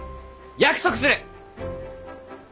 約束する！